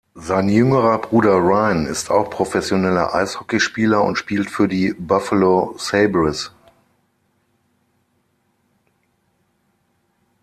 Sein jüngerer Bruder Ryan ist auch professioneller Eishockeyspieler und spielt für die Buffalo Sabres.